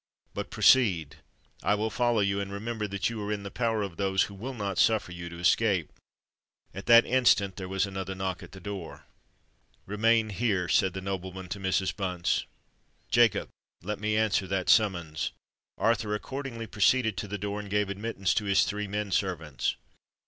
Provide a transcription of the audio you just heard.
But proceed—I will follow you: and remember that you are in the power of those who will not suffer you to escape." At that instant there was another knock at the door. "Remain here," said the nobleman to Mrs. Bunce. "Jacob, let me answer that summons." Arthur accordingly proceeded to the door, and gave admittance to his three men servants.